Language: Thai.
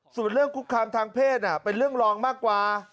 ส่วนเรื่องคุกคามทางเพศเป็นเรื่องรองมากกว่า